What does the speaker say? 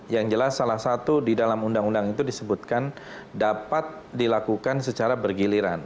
yang jelas salah satu di dalam undang undang itu disebutkan dapat dilakukan secara bergiliran